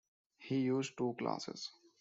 He used two classes.